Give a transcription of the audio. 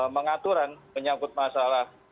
mengaturan menyangkut masalah